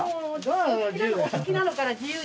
お好きなのから自由に。